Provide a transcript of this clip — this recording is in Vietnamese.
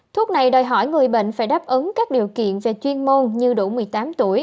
thuốc này đòi hỏi người bệnh phải đáp ứng các điều kiện về chuyên môn như đủ một mươi tám tuổi